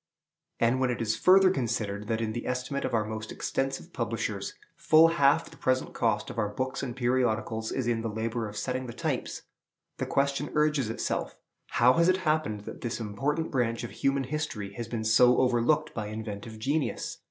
And when it is further considered that in the estimate of our most extensive publishers full half the present cost of our books and periodicals is in the labor of setting the types, the question urges itself, How has it happened that this important branch of human industry has been so overlooked by inventive genius?